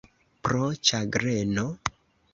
Pro ĉagreno?